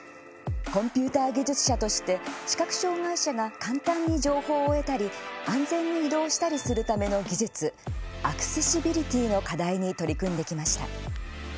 コンピュータ技術者として視覚障害者が簡単に情報を得たり安全に移動したりするための技術アクセシビリティーの課題に取り組んできました。